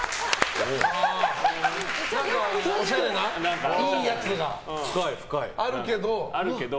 おしゃれな、いいやつがあるけど。